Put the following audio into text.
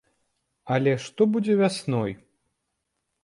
Але што будзе вясной?